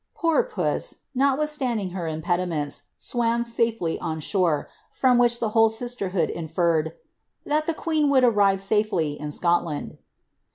" Poor puss, notwithstanding her impediments, swam safely on shore, from which the whole sisterhood inferred ^ that tlie queen would arrive safely in Scotland."